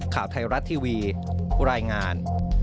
ข่าวไทยรัฐทีวีรายงาน